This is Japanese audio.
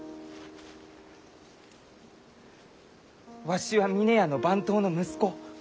わしは峰屋の番頭の息子。